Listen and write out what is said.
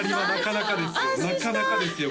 なかなかですよ